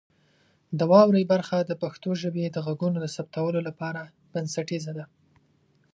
د واورئ برخه د پښتو ژبې د غږونو د ثبتولو لپاره بنسټیزه ده.